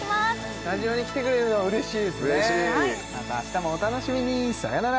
スタジオに来てくれるのはうれしいですねまた明日もお楽しみにさよなら